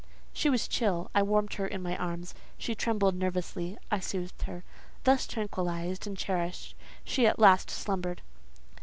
She was chill: I warmed her in my arms. She trembled nervously; I soothed her. Thus tranquillized and cherished she at last slumbered.